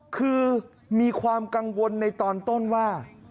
คือมีความกังวลในตอนต้นว่า